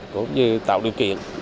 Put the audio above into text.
cũng như tạo điều kiện